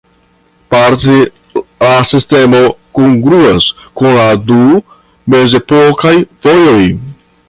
Parte la sistemo kongruas kun la du mezepokaj vojoj.